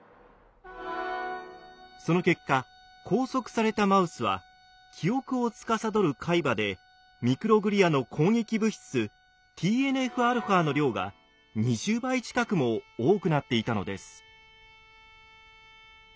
その結果拘束されたマウスは記憶をつかさどる海馬でミクログリアの攻撃物質ＴＮＦ−αの量が２０倍近くも多くなっていたのです。